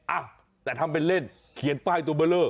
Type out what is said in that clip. อะแต่ทำเป็นเล่นเขียนป้ายตัวเบลอ